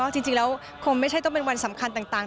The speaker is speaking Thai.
จริงแล้วคงไม่ใช่ต้องเป็นวันสำคัญต่าง